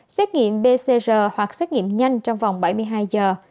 xét nghiệm pcr hoặc xét nghiệm nhanh trong vòng bảy mươi hai giờ